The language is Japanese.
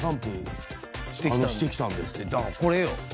だからこれよ！